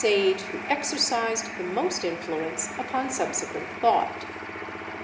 ge who exercized the most influence upon subsequent thought.